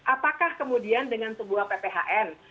apakah kemudian dengan sebuah pphn